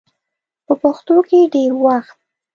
په پښتو کې ډېر وخت